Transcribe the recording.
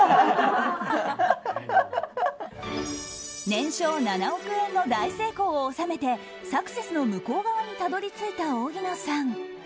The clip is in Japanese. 年商７億円の大成功を収めてサクセスの向こう側にたどり着いた荻野さん。